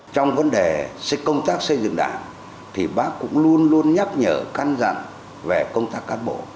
trong vấn đề công tác xây dựng đảng thì bác cũng luôn luôn nhắc nhở căn dặn về công tác cán bộ